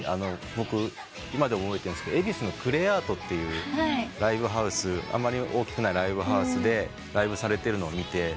僕今でも覚えてるんですけど恵比寿のクレアートっていうあんまり大きくないライブハウスでライブされてるのを見て。